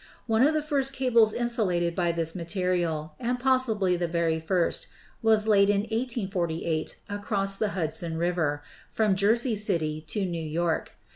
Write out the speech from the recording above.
One of the first cables insulated by this ma terial, and possibly the very first, was laid in 1848 across the Hudson River, from Jersey City to New York.